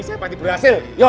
saya pasti berhasil